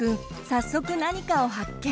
早速何かを発見。